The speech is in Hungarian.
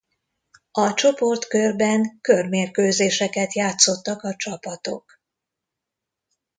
A csoportkörben körmérkőzéseket játszottak a csapatok.